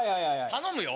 頼むよ。